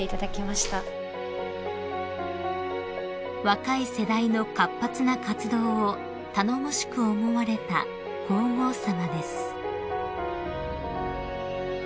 ［若い世代の活発な活動を頼もしく思われた皇后さまです］